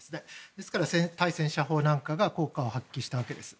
ですから、対戦車砲なんかが効果を発揮したわけです。